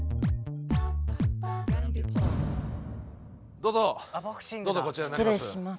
どうぞどうぞこちらになります。